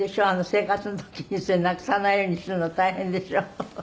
生活の時にそれなくさないようにするの大変でしょ？